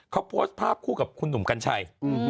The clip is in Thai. เขาโพสต์ภาพคู่กับคุณหนุ่มกัญชัย